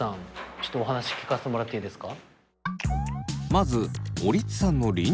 ちょっとお話聞かせてもらっていいですか？